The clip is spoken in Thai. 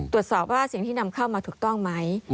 ตรวจสอบว่าสิ่งที่นำเข้ามาถูกต้องไหม